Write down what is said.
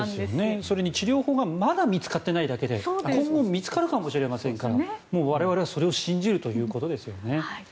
それに治療法がまだ見つかっていないだけで今後見つかるかもしれませんから我々はそれを信じるということですよね。